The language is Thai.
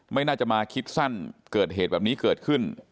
ไม่น่าจะมาคิดสั้นเกิดเหตุแบบนี้เกิดขึ้น